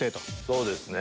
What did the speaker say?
そうですね。